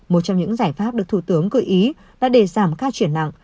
một trong những giải pháp được thủ tướng gợi ý là để giảm ca chuyển nặng